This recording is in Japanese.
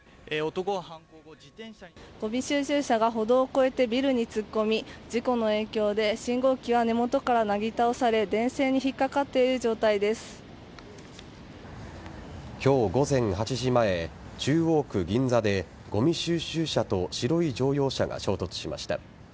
ごみ収集車が歩道を越えてビルに突っ込み事故の影響で信号機は根元からなぎ倒され今日午前８時前中央区銀座でごみ収集車と白い乗用車が衝突しました。